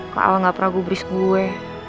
kak al tidak pernah gubris saya